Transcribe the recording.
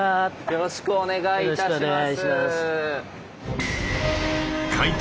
よろしくお願いします。